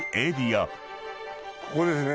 ここですね。